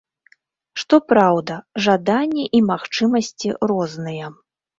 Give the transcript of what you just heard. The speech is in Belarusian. Што праўда, жаданні і магчымасці розныя.